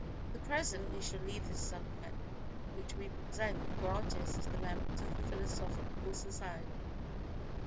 For the present we shall leave this subject which we present gratis to the members of the Philosophical Society.